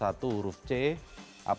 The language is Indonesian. apabila diberhentikan sebagai anggota dpr